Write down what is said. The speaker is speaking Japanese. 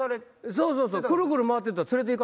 そうそうそう。